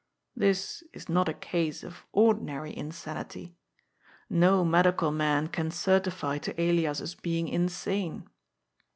This is not a case of ordinary insanity. No medical man can certify to Elias's being insane.